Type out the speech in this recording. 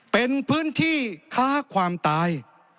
เป็นพื้นที่ค้าความตาย